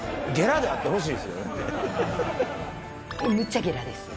むっちゃゲラです。